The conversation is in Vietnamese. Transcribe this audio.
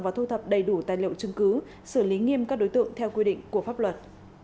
và thu thập đầy đủ tài liệu chứng cứ xử lý nghiêm các đối tượng theo quy định của pháp luật